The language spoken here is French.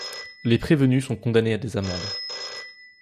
Les prévenus sont condamnés à des amendes.